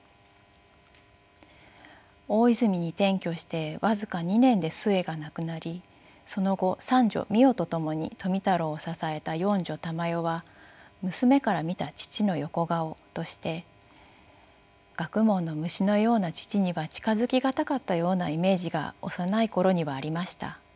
大泉に転居して僅か２年で壽衛が亡くなりその後三女巳代と共に富太郎を支えた四女玉代は娘から見た父の横顔として「学問の虫のような父には近づき難かったようなイメージが幼い頃にはありました。